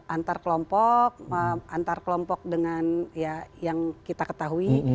antar kelompok dengan yang kita ketahui